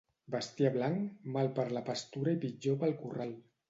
Bestiar blanc, mal per la pastura i pitjor pel corral.